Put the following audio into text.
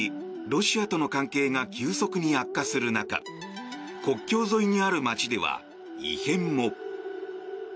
ロシアとの関係が急速に悪化する中国境沿いにある街では、異変も。